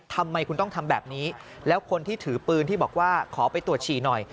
ทำไมคุณต้องทำแบบนี้แล้วคนที่ถือปืนที่บอกว่าขอไปตรวจฉี่หน่อย